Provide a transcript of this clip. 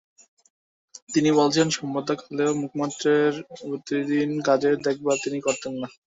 তিনি বলেছেন, সম্পাদক হলেও মুখপাত্রের প্রতিদিনের কাজের দেখভাল তিনি করতেন না।